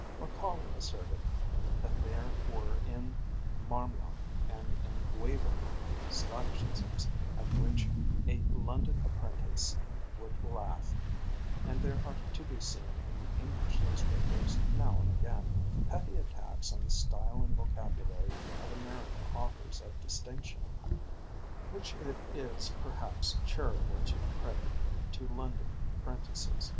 Macaulay asserted that there were in Marmion and in Waverley "Scotticisms at which a London apprentice would laugh;" and there are to be seen in the English newspapers now and again petty attacks on the style and vocabulary of American authors of distinction, which it is perhaps charitable to credit to London apprentices.